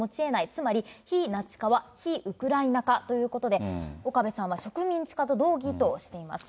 つまり非ナチ化は非ウクライナ化ということで、岡部さんは植民地化と同義としています。